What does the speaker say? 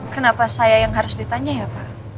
kenapa saya yang harus ditanya ya pak